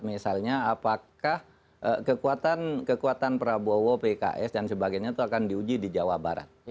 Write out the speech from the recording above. misalnya apakah kekuatan prabowo pks dan sebagainya itu akan diuji di jawa barat